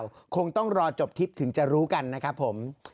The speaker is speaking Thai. คงต้องรอจบทิศถึงจะรู้กันนะครับผม